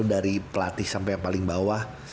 dari pelatihan sampe yang paling bawah